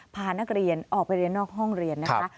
พานักเรียนออกไปเรียนนอกห้องเรียนนะคะ